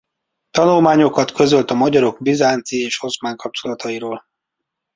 Tanulmányokat közölt a magyarok bizánci és oszmán kapcsolatairól.